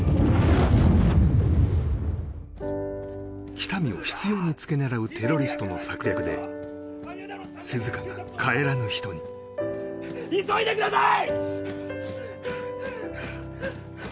喜多見を執拗につけ狙うテロリストの策略で涼香が帰らぬ人に急いでください！